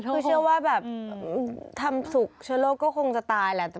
คือเชื่อว่าแบบทำสุขเชื้อโรคก็คงจะตายแหละ